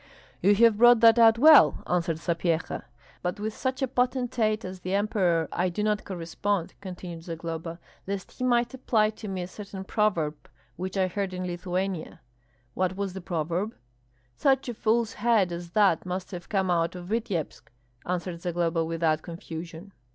"You have brought that out well," answered Sapyeha. "But with such a potentate as the Emperor I do not correspond," continued Zagloba, "lest he might apply to me a certain proverb which I heard in Lithuania." "What was the proverb?" "Such a fool's head as that must have come out of Vityebsk!" answered Zagloba, without confusion.